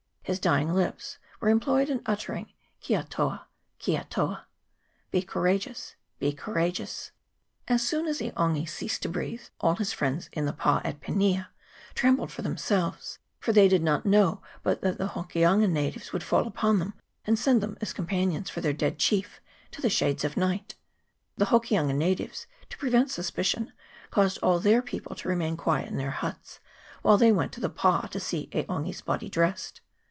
His dying lips were employed in uttering ' Kia toa ! Kia toa !'' Be courageous ! Be courageous !'" As soon as E 'Ongi ceased to breathe, all his friends in the pa at Pinia trembled for themselves ; for they did not know but that the Hokianga natives would fall upon them, and send them as companions for their dead chief ' to the shades of night.' " The Hokianga natives, to prevent suspicion, caused all their people to remain quiet in their huts, while they went to the pa to see E' Ongi's body dressed.